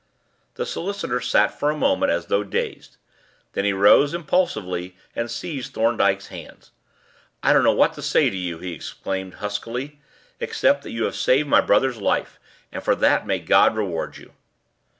The solicitor sat for a moment as though dazed; then he rose impulsively and seized Thorndyke's hands. "I don't know what to say to you," he exclaimed huskily, "except that you have saved my brother's life, and for that may God reward you!"